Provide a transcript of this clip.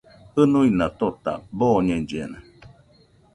Jɨnuina tota boñellena.